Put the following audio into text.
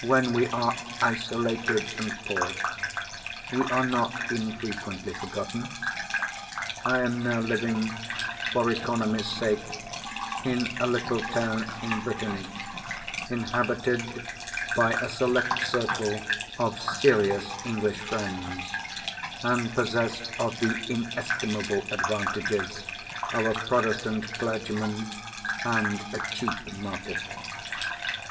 When we are isolated and poor, we are not infrequently forgotten. I am now living, for economy's sake, in a little town in Brittany, inhabited by a select circle of serious English friends, and possessed of the inestimable advantages of a Protestant clergyman and a cheap market.